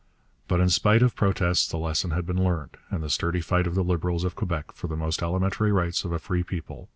But in spite of protests the lesson had been learned, and the sturdy fight of the Liberals of Quebec for the most elementary rights of a free people had its effect.